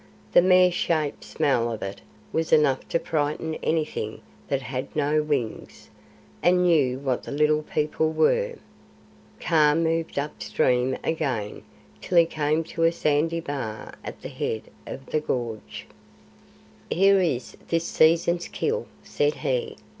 The mere sharp smell of it was enough to frighten anything that had no wings, and knew what the Little People were. Kaa moved up stream again till he came to a sandy bar at the head of the gorge. "Here is this season's kill," said he.